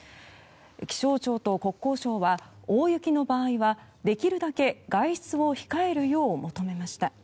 気象庁と国交省は大雪の場合はできるだけ外出を控えるよう求めました。